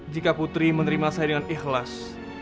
jika putri menerima saya dengan ikhlas